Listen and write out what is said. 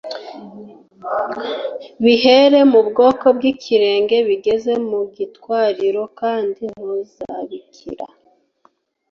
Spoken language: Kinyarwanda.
bihere mu bworo bw'ikirenge bigeze mu gitwariro, kandi ntuzabikira